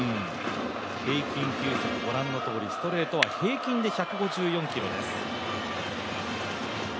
平均球速はご覧のとおりストレートは平均で１５４キロです。